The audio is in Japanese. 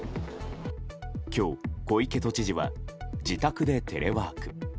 今日、小池都知事は自宅でテレワーク。